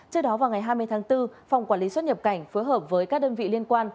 trước đó vào ngày hai mươi tháng bốn phòng quản lý xuất nhập cảnh phối hợp với các đơn vị liên quan